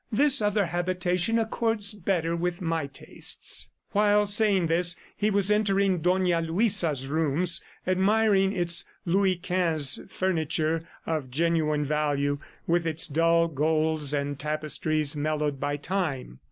"This other habitation accords better with my tastes." While saying this, he was entering Dona Luisa's rooms, admiring its Louis Quinze furniture of genuine value, with its dull golds and tapestries mellowed by time.